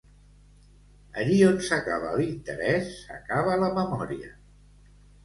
Allí on s'acaba l'interès, s'acaba la memòria.